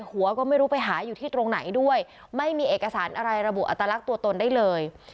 หัวก็ไม่รู้ไปหาอยู่ที่ตรงไหนด้วยไม่มีเอกสารอะไรระบุอัตลักษณ์ตัวตนได้เลย